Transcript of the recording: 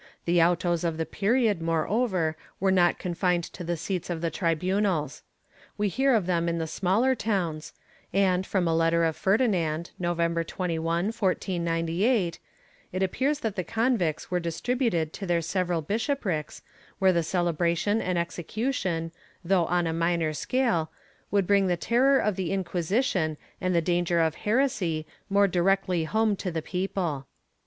^ The autos of the period, moreover, were not confined to the seats of the tribunals. We hear of them in the smaller towns, and, from a letter of Ferdinand, November 21, 1498, it appears that the convicts were distributed to their several bishoprics where the celebration and execution, though on a minor scale, would bring the terror of the Inquisition and the danger of heresy more directly home to the people.